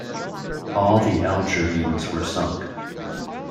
All the Algerines were sunk.